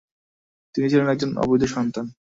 তিনি ছিলেন একজন অবৈধ সন্তান।